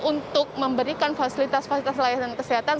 untuk memberikan fasilitas fasilitas layanan kesehatan